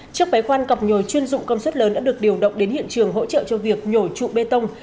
trước bấy khoan cọp nhồi chuyên dụng công suất lớn đã được điều động đến hiện trường hỗ trợ cho việc nhồi trụ bê tông